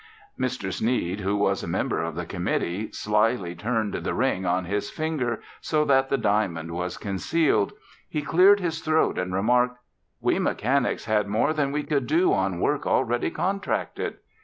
Mr. Sneed, who was a member of the committee, slyly turned the ring on his finger so that the diamond was concealed. He cleared his throat and remarked, "We mechanics had more than we could do on work already contracted."